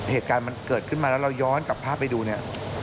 เหตุการณ์มันเกิดขึ้นมาแล้วเราย้อนกลับภาพไปดูเนี่ย